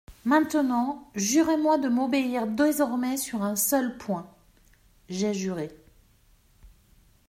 Maintenant, jurez-moi de m'obéir désormais sur un seul point.» J'ai juré.